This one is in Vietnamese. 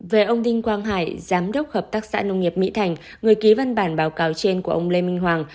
về ông đinh quang hải giám đốc hợp tác xã nông nghiệp mỹ thành người ký văn bản báo cáo trên của ông lê minh hoàng